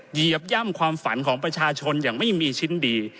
เหยียบย่ำความฝันของประชาชนอย่างไม่มีชิ้นดี